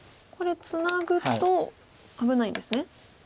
これツナぐと危ないんですね。